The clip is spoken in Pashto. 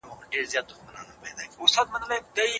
د دورکهايم نظریات د ټولنې په اړه د نورو پوهانو کیدو څخه بهتر دي.